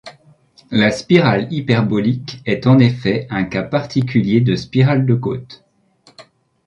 La spirale hyperbolique est en effet un cas particulier de spirale de Cotes.